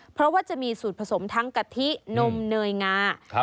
เพราะว่าจะมีสูตรผสมทั้งกะทินมเนยงา